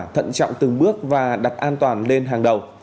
thận trọng từng bước và đặt an toàn lên hàng đầu